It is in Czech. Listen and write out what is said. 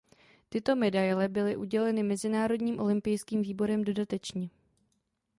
Tyto medaile byly uděleny Mezinárodním olympijským výborem dodatečně.